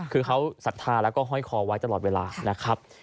คือเขาศรัทธาแล้วก็ห้อยคอไว้ตลอดเวลานะครับ